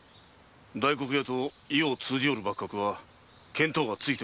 大黒屋と意を通じおる幕閣は見当がついておるのか？